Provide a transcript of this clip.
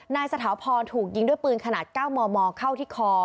สถาพรถูกยิงด้วยปืนขนาด๙มมเข้าที่คอ